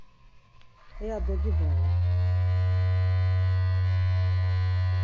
Heya dogibağun!